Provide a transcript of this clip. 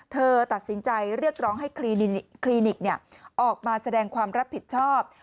เธอตัดสินใจเรียกร้องให้คลินิกออกมาแสดงความรับผิดชอบ